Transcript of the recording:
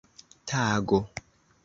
tago